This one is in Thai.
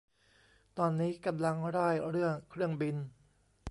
ตอนนี้กำลังร่ายเรื่องเครื่องบิน